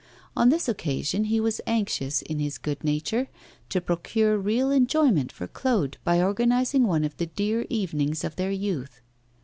On this occasion, he was anxious, in his good nature, to procure real enjoyment for Claude by organising one of the dear evenings of their youth.